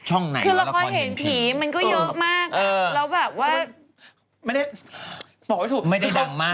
มันก็เยอะมากแล้วแบบว่าไม่ได้ดังมาก